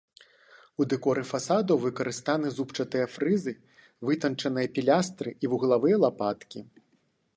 У дэкоры фасадаў выкарыстаны зубчастыя фрызы, вытанчаныя пілястры і вуглавыя лапаткі.